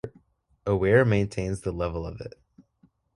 A weir maintains the level of it.